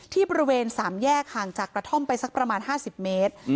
ที่บริเวณ๓แยกห่างจากกระท่อมไปสักประมาณ๕๐เมตร